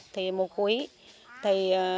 thì mùa cuối